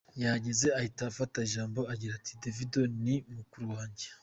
Yahageze ahita afata ijambo agira ati “Davido ni mukuru wanjye.